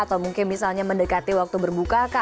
atau mungkin misalnya mendekati waktu berbuka